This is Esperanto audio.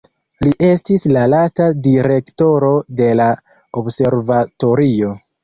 Li estis la lasta direktoro de la observatorio.